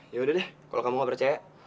yaudah deh kalo kamu gak percaya